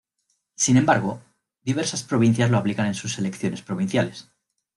Sin embargo, diversas provincias lo aplican en sus elecciones provinciales.